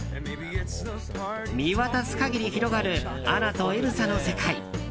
見渡す限り広がるアナとエルサの世界。